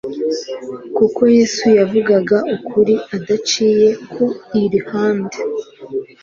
Kuko Yesu yavugaga ukuri adaciye ku ilihande,